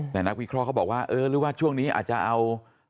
แต่นักวิเคราะห์เขาบอกว่าเออหรือว่าช่วงนี้อาจจะเอา